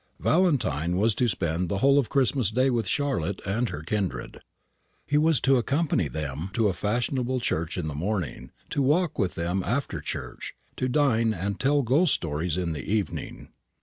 Valentine was to spend the whole of Christmas day with Charlotte and her kindred. He was to accompany them to a fashionable church in the morning, to walk with them after church, to dine and tell ghost stories in the evening.